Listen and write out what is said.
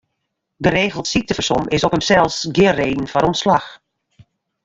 Geregeld syktefersom is op himsels gjin reden foar ûntslach.